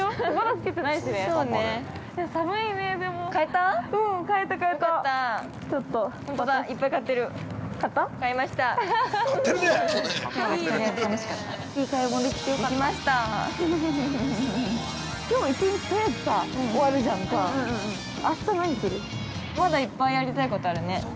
◆まだいっぱいやりたいことあるね。